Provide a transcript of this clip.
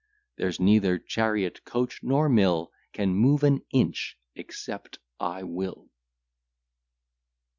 There's neither chariot, coach, nor mill, Can move an inch except I will.